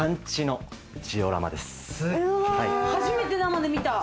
初めて生で見た。